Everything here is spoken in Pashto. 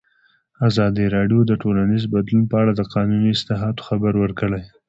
ازادي راډیو د ټولنیز بدلون په اړه د قانوني اصلاحاتو خبر ورکړی.